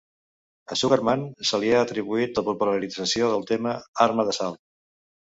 A Sugarmann se li ha atribuït la popularització del terme "arma d'assalt".